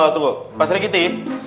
tunggu pak serikiti